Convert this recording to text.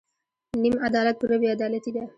نیم عدالت پوره بې عدالتي ده.